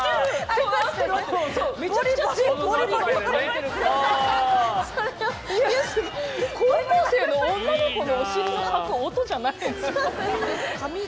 高校生の女の子のお尻のかく音じゃなかった。